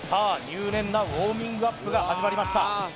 入念なウォーミングアップが始まりました